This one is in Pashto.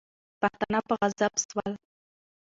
پښتانه په عذاب سول.